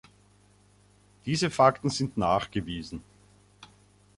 Diese Fakten sind nachgewiesen.